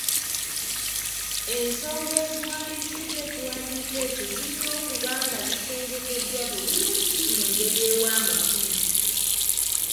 Ensonga eziwandiisizza ekiwandiiko ekyo zirina okuba nga zisengekeddwa bulungi mu ngeri ewa amakulu.